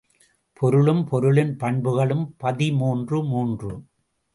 பொருளும் பொருளின் பண்புகளும் பதிமூன்று மூன்று.